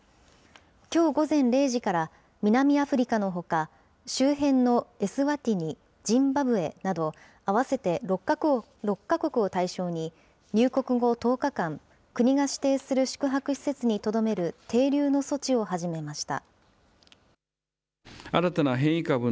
きょう午前０時から、南アフリカのほか、周辺のエスワティニ、ジンバブエなど合わせて６か国を対象に、入国後１０日間、国が指定する宿泊施設にとどめる停留の措置を始めました。